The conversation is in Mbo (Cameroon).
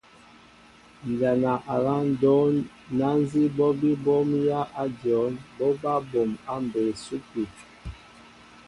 Njana a nláaŋ ndɔn na nzi ɓɔɓi ɓomya a dyɔnn, ɓɔ ɓaa ɓom a mbé supi.